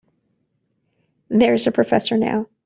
There's the professor now.